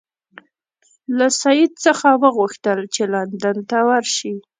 له سید څخه وغوښتل چې لندن ته ورشي.